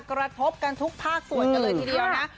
กระทบกันทุกภาคส่วนกันเลยทีเดียวนะ